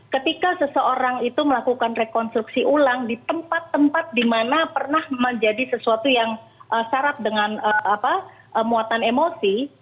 ketika seseorang itu melakukan rekonstruksi ulang di tempat tempat di mana pernah menjadi sesuatu yang syarat dengan muatan emosi